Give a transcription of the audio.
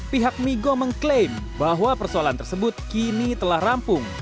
pihak migo mengklaim bahwa persoalan tersebut kini telah rampung